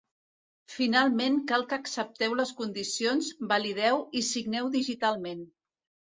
Finalment cal que accepteu les condicions, valideu i signeu digitalment.